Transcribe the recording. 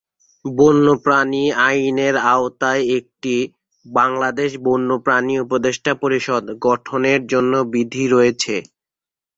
বন্যপ্রাণী আইনের আওতায় একটি "বাংলাদেশ বন্যপ্রাণী উপদেষ্টা পরিষদ" গঠনের জন্য বিধি রয়েছে।